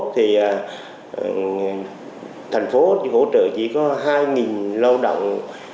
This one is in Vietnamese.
thì thành phố hỗ trợ chỉ có hai lao động